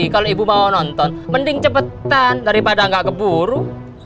kalo ibu mau nonton mending cepetan daripada gak keburu